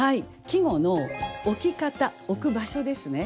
「季語の置き方置く場所」ですね。